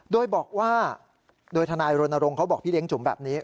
โดยบอกว่าโดยทนายรณรงค์เขาบอกพี่เลี้ยจุ๋มแบบนี้